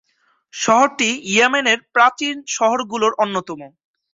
শহরটি ইয়েমেনের প্রাচীন শহরগুলোর অন্যতম।